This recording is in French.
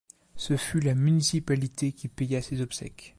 Ce fut la municipalité qui paya ses obsèques.